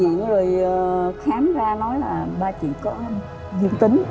thì xong rồi vô bệnh viện rồi khám ra nói là ba chị có viêm tính